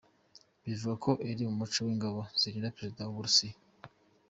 Bivugwa ko ariwo muco w’ingabo zirinda Perezida mu Burusiya.